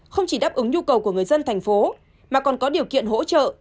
không chỉ đáp ứng nhu cầu của người dân thành phố mà còn có điều kiện hỗ trợ